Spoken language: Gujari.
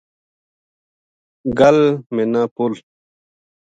گل منا پُل